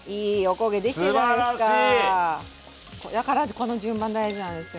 これは必ずこの順番大事なんですよ。